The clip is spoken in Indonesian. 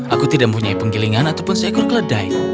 aku tidak mempunyai penggilingan ataupun seekor keledai